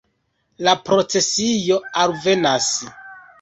La procesio alvenas.